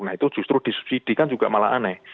nah itu justru disubsidi kan juga malah aneh